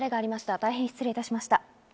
大変失礼いたしました。